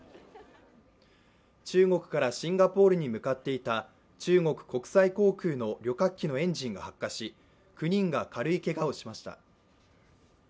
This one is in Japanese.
中国からシンガポールに向かっていた中国国際航空の旅客機のエンジンが発火し９人が軽いけがをしました。